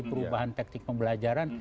perubahan teknik pembelajaran